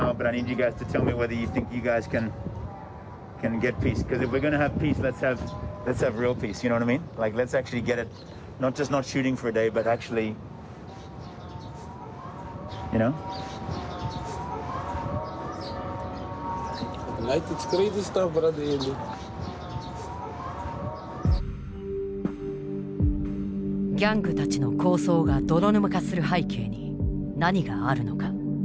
ギャングたちの抗争が泥沼化する背景に何があるのか。